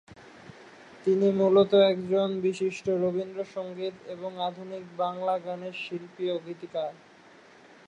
তিনি মূলত একজন বিশিষ্ট রবীন্দ্র সঙ্গীত এবং আধুনিক বাঙলা গানের শিল্পী ও গীতিকার।